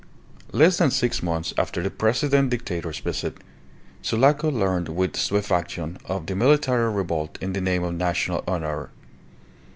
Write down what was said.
Less than six months after the President Dictator's visit, Sulaco learned with stupefaction of the military revolt in the name of national honour.